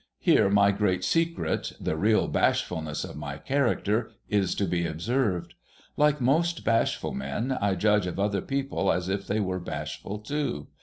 Here my great secret, the real bashfulness of my character, is to be observed. Like most bashful men, I judge of other people as if they were bashful too.